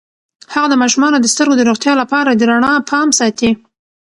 هغه د ماشومانو د سترګو د روغتیا لپاره د رڼا پام ساتي.